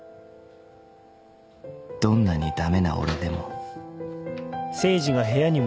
［どんなに駄目な俺でも］